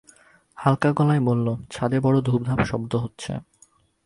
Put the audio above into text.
হালকা গলায় বলল, ছাদে বড় ধুপধাপ শব্দ হচ্ছে?